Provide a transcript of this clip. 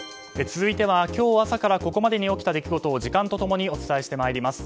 続いては今日朝からここまでに起きたことを時間と共にお伝えしてまいります。